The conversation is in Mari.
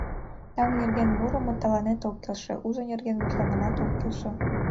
Таҥ нерген мурымо тыланет ок келше, узо нерген мутланымат ок келше...